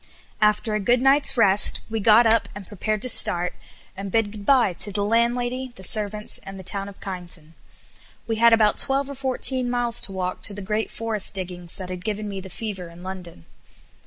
After a good night's rest we got up and prepared to start, and bid goodbye to the landlady, the servants, and the town of Kyneton. We had about twelve or fourteen miles to walk to the great forest diggings that had given me the fever in London.